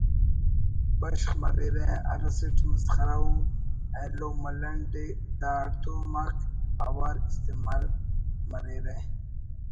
بشخ مریرہ اسٹ مسخرہ و ایلو ملنڈ ءِ دا ہڑتوم آک اوار استعال مریرہ